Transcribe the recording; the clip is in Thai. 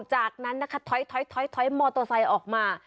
จากนั้นนะคะถอยมอเตอร์ไซค์ออกมา